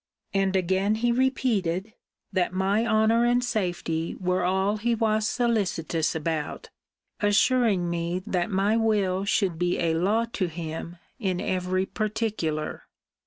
And again he repeated, that my honour and safety were all he was solicitous about; assuring me, that my will should be a law to him in every particular.